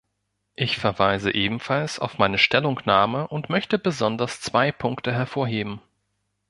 Ich verweise ebenfalls auf meine Stellungnahme und möchte besonders zwei Punkte hervorheben.